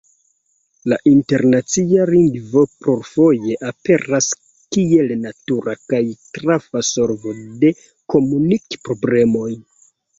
La internacia lingvo plurfoje aperas kiel natura kaj trafa solvo de komunik-problemoj.